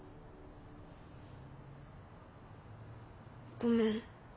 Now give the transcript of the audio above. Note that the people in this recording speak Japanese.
ごめん。